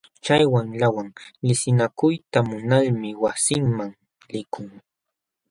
Chay wamlawan liqsinakuyta munalmi wasinman likun.